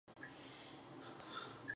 پوهه د انسان قدر زیاتوي.